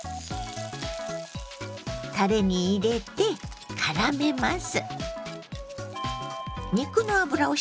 たれに入れてからめます。